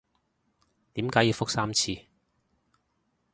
點解要覆三次？